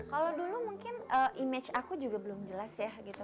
kalau dulu mungkin image aku juga belum jelas ya gitu